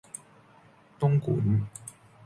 東莞